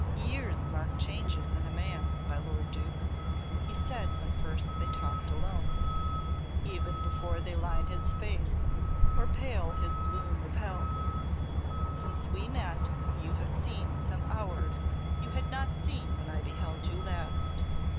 "Years mark changes in a man, my lord Duke," he said when first they talked alone, "even before they line his face or pale his bloom of health. Since we met you have seen some hours you had not seen when I beheld you last.